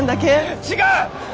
違う！